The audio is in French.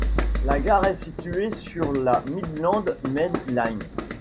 La gare est située sur la Midland Main Line.